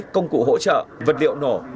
công cụ hỗ trợ vật liệu nổ